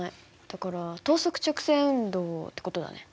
だから等速直線運動って事だね。